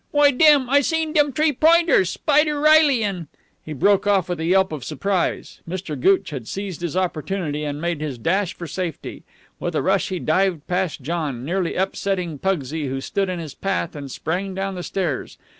"Why, dem. I seen dem T'ree Pointers Spider Reilly an' " He broke off with a yelp of surprise. Mr. Gooch had seized his opportunity, and had made his dash for safety. With a rush he dived past John, nearly upsetting Pugsy, who stood in his path, and sprang down the stairs.